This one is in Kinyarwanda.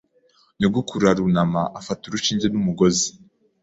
Nyogokuru arunama afata urushinge n'umugozi.